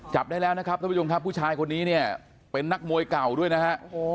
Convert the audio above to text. จับได้แล้วนะครับท่านผู้ชมครับผู้ชายคนนี้เนี่ยเป็นนักมวยเก่าด้วยนะฮะ